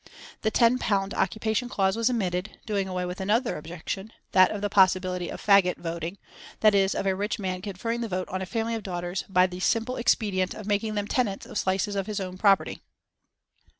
The £10 occupation clause was omitted, doing away with another objection, that of the possibility of "faggot voting," that is, of a rich man conferring the vote on a family of daughters by the simple expedient of making them tenants of slices of his own property.